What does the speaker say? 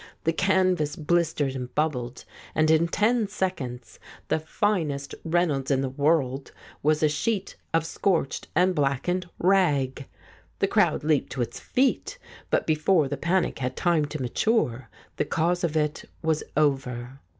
The canvas blistered and bubbled, and in ten seconds the finest Reynolds in the world was a sheet of scorched and blackened rag. The crowd leaped to its feet, but before the panic had time to mature, the cause of it was over.